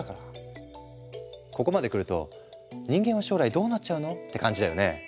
ここまでくると人間は将来どうなっちゃうの？って感じだよね？